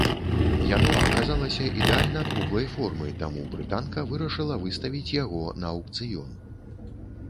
Яно аказалася ідэальна круглай формы, таму брытанка вырашыла выставіць яго на аўкцыён.